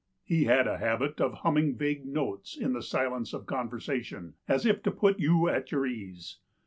He had a habit of humming vague notes in the silence of conversation, as if to put you at your ease.